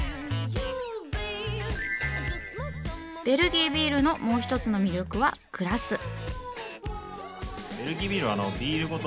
ベルギービールのもう一つの魅力はグラス。